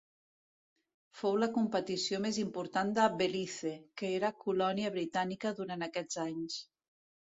Fou la competició més important de Belize, que era colònia britànica durant aquests anys.